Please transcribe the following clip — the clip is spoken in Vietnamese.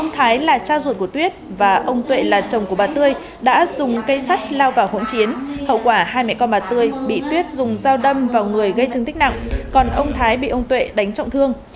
ông thái là cha ruột của tuyết và ông tuệ là chồng của bà tươi đã dùng cây sắt lao vào hỗn chiến hậu quả hai mẹ con bà tươi bị tuyết dùng dao đâm vào người gây thương tích nặng còn ông thái bị ông tuệ đánh trọng thương